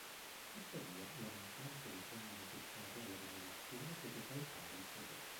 Tuttavia, la mancanza dei fondi necessari alla demolizione fece saltare il progetto.